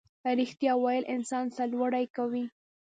ریښتیا ویل انسان سرلوړی کوي